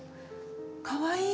かわいい！